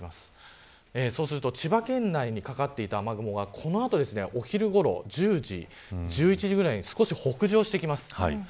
千葉県内にかかっていた雨雲がこの後お昼ごろ、１０時１１時ぐらいに少し北上してきます。